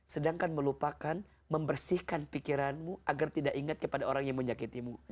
sedangkan melupakan membersihkan pikiranmu agar tidak ingat kepada orang yang menyakitimu